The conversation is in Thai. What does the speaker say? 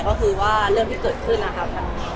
ก็คือว่าเรื่องที่เกิดขึ้นนะครับ